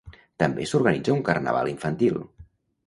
També s'organitza un carnaval infantil.